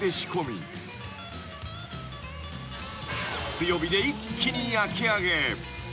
［強火で一気に焼きあげ］